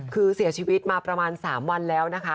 คือเสียชีวิตมาประมาณ๓วันแล้วนะคะ